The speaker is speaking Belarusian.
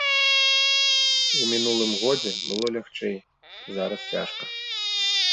У мінулым годзе было лягчэй, зараз цяжка.